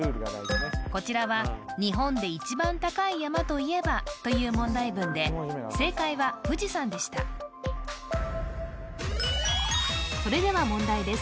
こちらは「日本で１番高い山といえば？」という問題文で正解は富士山でしたそれでは問題です